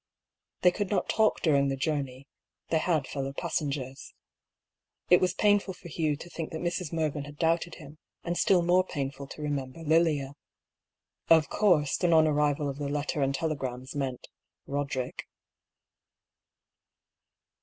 They could not talk during the journey ; they had fellow passengers. It was painful for Hugh to think that Mrs. Mervyn had doubted him, and still more pain ful to remember Lilia. Of course the non arrival of the letter and telegrams meant — Boderick.